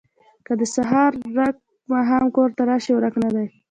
ـ که د سهار ورک ماښام کور ته راشي ورک نه دی.